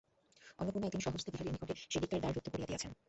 অন্নপূর্ণা একদিন স্বহস্তে বিহারীর নিকটে সেদিককার দ্বার রুদ্ধ করিয়া দিয়াছেন।